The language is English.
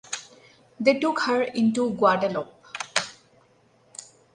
They took her into Guadeloupe.